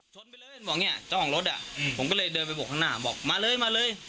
ชนไปเลยบอกเนี่ยเจ้าของรถอ่ะผมก็เลยเดินไปบกข้างหน้าบอกมาเลยมาเลย